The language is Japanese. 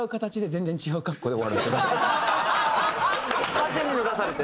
勝手に脱がされて。